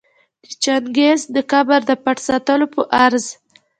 د چنګیز د قبر د پټ ساتلو په غرض